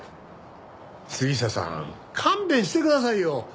杉下さん勘弁してくださいよ。